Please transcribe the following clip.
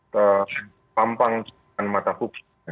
terlampang dibuang mata publik